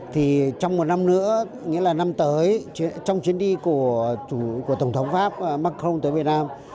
thì trong một năm nữa nghĩa là năm tới trong chuyến đi của tổng thống pháp macron tới việt nam